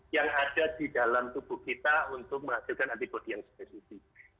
yang ada di dalam tubuh kita untuk menghasilkan antibody yang spesifik